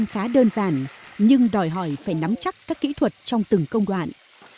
thạch đen khá đơn giản nhưng đòi hỏi phải nắm chắc các kỹ thuật trong từng công đoạn